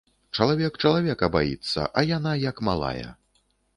Чалавек чалавека баіцца, а яна, як малая.